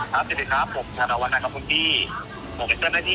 อะไรนะคะคุณพี่